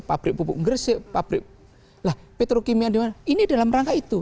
pabrik pupuk ngeresip pabrik petrokimia ini dalam rangka itu